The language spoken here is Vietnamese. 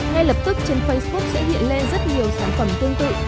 ngay lập tức trên facebook sẽ hiện lên rất nhiều sản phẩm tương tự